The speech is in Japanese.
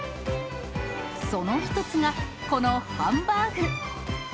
その一つがこのハンバーグ。